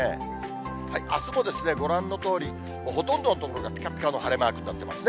あすもですね、ご覧のとおり、ほとんどの所がぴかぴかの晴れマークになってますね。